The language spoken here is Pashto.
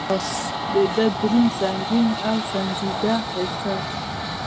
د ده دروند، سنګین او سنجیده احساس.